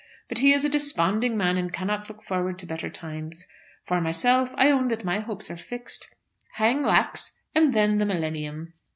But he is a desponding man, and cannot look forward to better times. For myself, I own that my hopes are fixed. Hang Lax, and then the millennium!"